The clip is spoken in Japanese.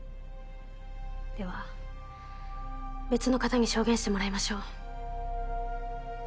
では別の方に証言してもらいましょう。